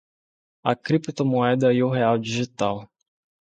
A criptomoeda e o real digital